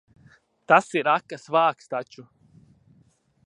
Tas ir akas vāks taču.